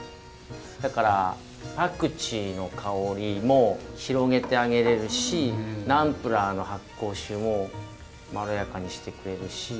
だからパクチーの香りも広げてあげれるしナンプラーの発酵臭もまろやかにしてくれるし。